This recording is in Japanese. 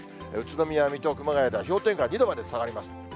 宇都宮、水戸、熊谷では氷点下２度まで下がります。